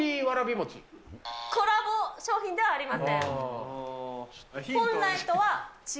コラボ商品ではありません。